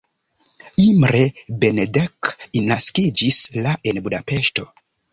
Imre Benedek naskiĝis la en Budapeŝto.